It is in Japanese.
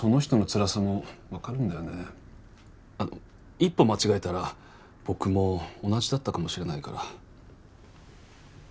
一歩間違えたら僕も同じだったかもしれないから。